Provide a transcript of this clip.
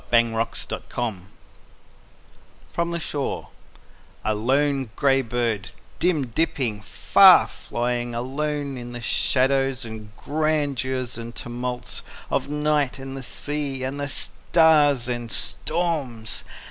Carl Sandburg OTHER DAYS FROM THE SHORE A LONE gray bird, Dim dipping, far flying, Alone in the shadows and grandeurs and tumults Of night and the sea And the stars and storms.